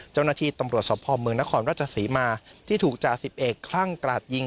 เจ้าหน้าที่ตำรวจศพพลเมืองนครรัชศรีมาที่ถูกจ่า๑๑คร่างกราดยิง